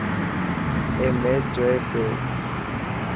اي ميچ جوئي پيو.